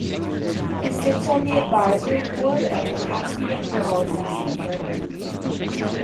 He sits on the advisory board of the Caspian Policy Center.